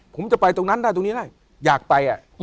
ผมจะไปตรงนั้นได้ตรงนี้ได้อยากไป